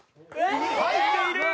入っている。